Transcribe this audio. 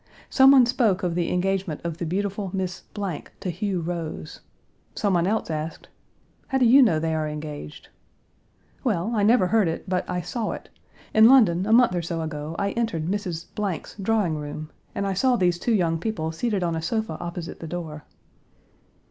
Some one spoke of the engagement of the beautiful Miss to Hugh Rose. Some one else asked: "How do you know they are engaged?" "Well, I never heard it, but I saw it. In London, a month or so ago, I entered Mrs. 's drawing room, and I saw these two young people seated on a sofa opposite the door."